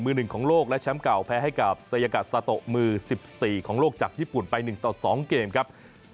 หนึ่งของโลกและแชมป์เก่าแพ้ให้กับซายากาซาโตะมือ๑๔ของโลกจากญี่ปุ่นไป๑ต่อ๒เกมครับ